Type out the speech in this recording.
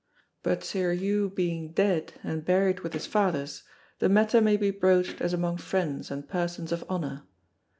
But Sir Hew being dead, and buried with his fathers, the matter may be broached as among friends and persons of honour.